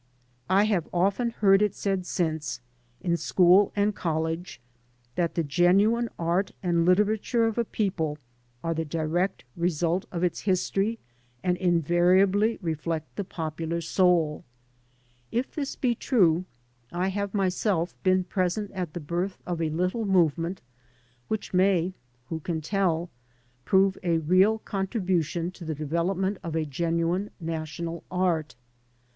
I have often heard it said since, in school and college, that the genuine art and literature of a people are the direct result of its history and invariably reflect the 41 AN AMERICAN IN THE MAKING popular soul. If this be true, I have myself been present at the birth of a little movement which may — who can tell? — ^prove a real contribution to the develop ment of a genuine national art.